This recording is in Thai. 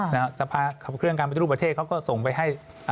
ทรภาคับเครื่องการประตูรูปประเทศเขาก็ส่งไปให้